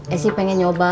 eh si pengen nyoba